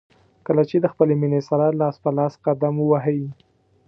کله چې د خپلې مینې سره لاس په لاس قدم ووهئ.